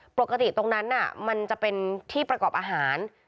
ปกติตรงนั้นมันจะเป็นที่ประกอบอาหาร